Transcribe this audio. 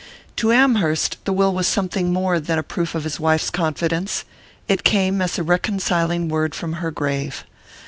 To Amherst the will was something more than a proof of his wife's confidence: it came as a reconciling word from her grave.